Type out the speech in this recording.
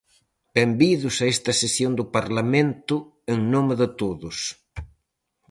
Benvidos a esta sesión do Parlamento en nome de todos.